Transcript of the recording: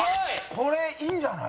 これいいんじゃない？